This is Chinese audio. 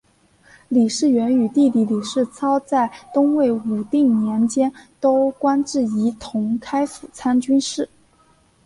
李士元与弟弟李士操在东魏武定年间都官至仪同开府参军事。